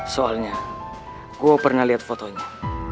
soalnya gue pernah lihat fotonya